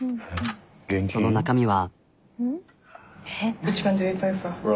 その中身は。